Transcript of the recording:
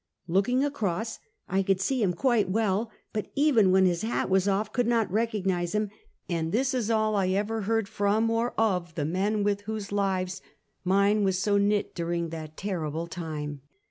Looking across, I could see him quite well, but even when his hat was off could not recognize him; and this is all I have ever heard from or of the men with whose lives mine was so knit during that terrible time.